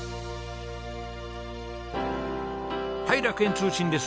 はい楽園通信です。